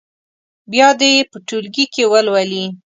بیا دې یې په ټولګي کې ولولي.